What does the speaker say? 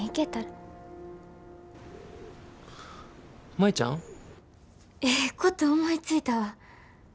舞ちゃん？ええこと思いついたわ。